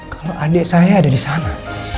kalau adik saya ada di sana